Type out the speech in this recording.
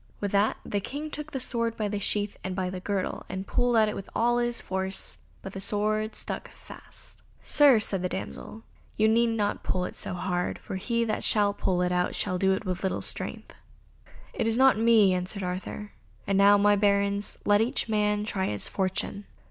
With that the King took the sword by the sheath and by the girdle, and pulled at it with all his force, but the sword stuck fast. "Sir," said the damsel, "you need not pull half so hard, for he that shall pull it out shall do it with little strength." "It is not for me," answered Arthur, "and now, my Barons, let each man try his fortune."